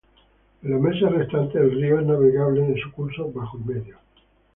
En los meses restantes, el río es navegable en su curso bajo y medio.